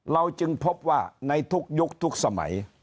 เราจึงพบว่าในทุกยุคทุกสมัย